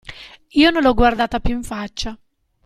Io non l'ho guardata più in faccia.